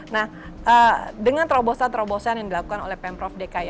nah dengan terobosan terobosan yang dilakukan oleh pemprov dki